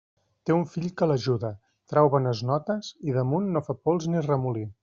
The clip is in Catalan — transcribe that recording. Té un fill que l'ajuda, trau bones notes, i damunt «no fa pols ni remolí».